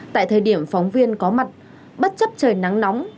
tại thời điểm phóng viên có mặt bất chấp trời nắng nóng